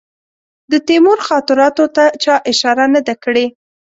د تیمور خاطراتو ته چا اشاره نه ده کړې.